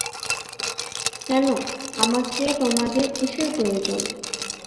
কেন, আমাকে তোমাদের কিসের প্রয়োজন?